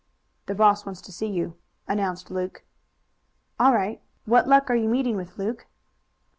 "The boss wants to see you," announced Luke. "All right. What luck are you meeting with, Luke?"